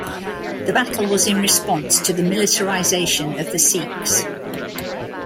The battle was in response to the militarisation of the Sikhs.